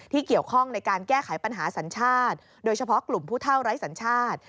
เกี่ยวข้องในการแก้ไขปัญหาสัญชาติโดยเฉพาะกลุ่มผู้เท่าไร้สัญชาติ